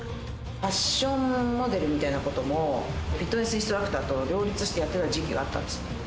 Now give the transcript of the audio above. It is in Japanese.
ファッションモデルみたいなこともフィットネスインストラクターと両立してやってた時期があったんですね。